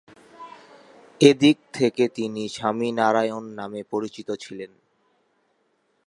এদিক থেকে তিনি স্বামীনারায়ণ নামে পরিচিত ছিলেন।